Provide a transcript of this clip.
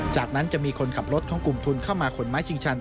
จากนั้นจะมีคนขับรถของกลุ่มทุนเข้ามาขนไม้ชิงชัน